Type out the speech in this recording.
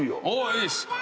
いいです。